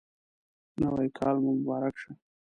نوی کال مو مبارک شه